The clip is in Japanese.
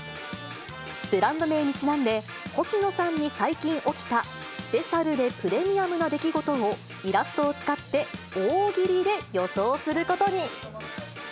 ブランド名にちなんで、星野さんに最近起きたスペシャルでプレミアムな出来事を、イラストを使って大喜利で予想することに。